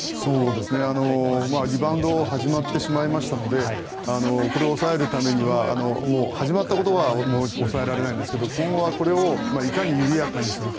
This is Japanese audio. リバウンドが始まってしまいましたのでこれを抑えるためにはもう始まったことはもう抑えられないんですけど今後はこれをいかに緩やかにするか。